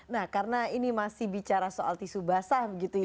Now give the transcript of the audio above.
nah karena ini masih bicara soal tisu basah begitu ya